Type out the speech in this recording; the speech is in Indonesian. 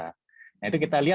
nah itu kita lihat ada penelitian